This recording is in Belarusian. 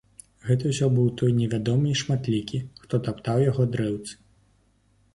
Гэта ўсё быў той невядомы і шматлікі, хто таптаў яго дрэўцы.